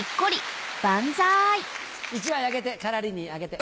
１枚あげてからりにあげて。